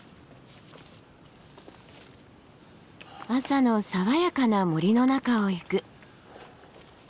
朝の爽やかな森の中を行く。